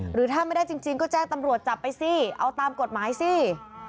หรือถ้าไม่ได้จริงก็แจ้งตำรวจจับไปสิเอาตามกฎหมายสิ